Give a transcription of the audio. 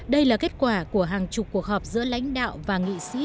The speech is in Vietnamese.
đây là kết quả của hàng chục cuộc họp giữa lãnh đạo và nghị sĩ